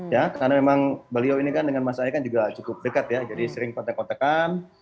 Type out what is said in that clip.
ya karena memang beliau ini kan dengan mas ahi kan juga cukup dekat ya jadi sering kontek kontekan